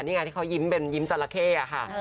นี่ไงที่เขายิ้มเป็นยิ้มจราเข้ค่ะ